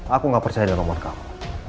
aku gak percaya dengan nomor kamu